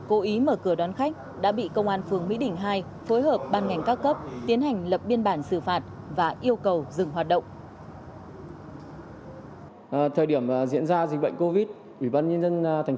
cố ý mở cửa đón khách đã bị công an phường mỹ đỉnh hai phối hợp ban ngành các cấp tiến hành lập biên bản xử phạt và yêu cầu dừng hoạt động